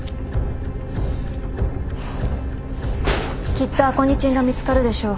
きっとアコニチンが見つかるでしょう。